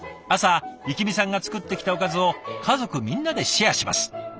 朝幸美さんが作ってきたおかずを家族みんなでシェアします。